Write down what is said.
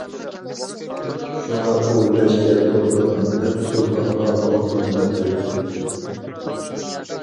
شۇڭا ئۇ: «لەشكەر توپلىغىن» دەپ سۇلتانغا ئالتۇن بەردى.